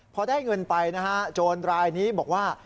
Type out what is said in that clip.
พอได้เงินไปนะฮะโจรรายนี้บอกว่า